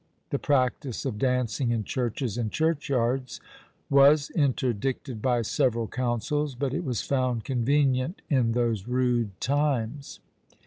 The practice of dancing in churches and church yards was interdicted by several councils; but it was found convenient in those rude times.